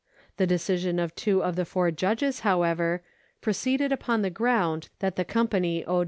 * The decision of two of the fom* judges, however, proceeded upon the ground that the company owed no duty ^ 7 Co.